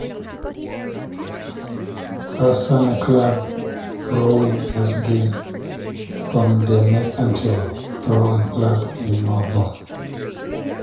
Her senior club rowing has been from the Mercantile Rowing Club in Melbourne.